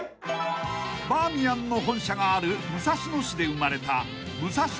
［バーミヤンの本社がある武蔵野市で生まれた］